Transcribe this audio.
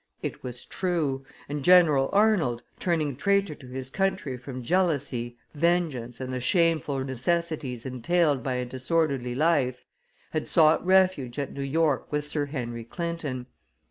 It was true; and General Arnold, turning traitor to his country from jealousy, vengeance, and the shameful necessities entailed by a disorderly life, had sought refuge at New York with Sir Henry Clinton.